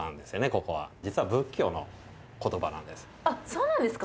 そうなんですか？